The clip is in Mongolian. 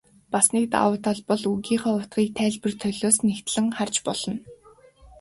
Бас нэг давуу тал бол үгийнхээ утгыг тайлбар толиос нягтлан харж болно.